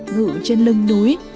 ngự trên lưng núi